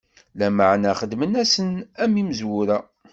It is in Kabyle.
Lameɛna xedmen-asen am imezwura.